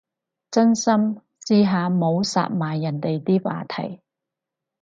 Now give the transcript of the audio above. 真心，試下唔好殺埋人哋啲話題